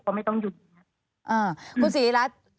ก็ไม่ต้องหยุด